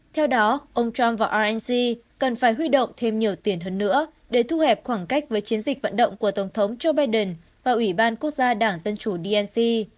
theo đó ông trump và rensi cần phải huy động thêm nhiều tiền hơn nữa để thu hẹp khoảng cách với chiến dịch vận động của tổng thống joe biden và ủy ban quốc gia đảng dân chủ dnc